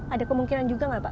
ada kemungkinan juga nggak pak